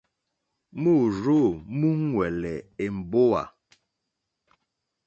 Môrzô múúŋwɛ̀lɛ̀ èmbówà.